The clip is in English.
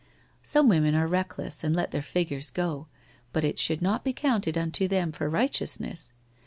Some women are reckless and let their figures go, but it should not be counted unto them for righteousness.